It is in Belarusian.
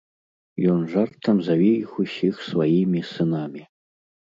Ён жартам заве іх усіх сваімі сынамі.